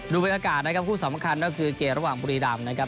บรรยากาศนะครับคู่สำคัญก็คือเกมระหว่างบุรีรำนะครับ